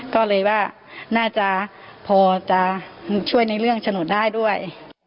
ก็เลยว่าน่าจะพอจะช่วยในเรื่องฉนดได้ด้วย